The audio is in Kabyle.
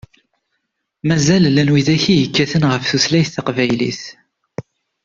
Mazal llan widak i yekkaten ɣef tutlayt taqbaylit.